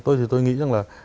tôi thì tôi nghĩ rằng là